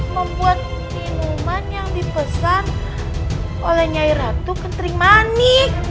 membuat minuman yang dipesan oleh nyai ratu kenting manik